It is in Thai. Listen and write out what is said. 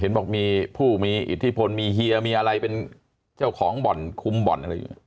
เห็นบอกมีผู้มีอิทธิพลมีเฮียมีอะไรเป็นเจ้าของคุมบ่อน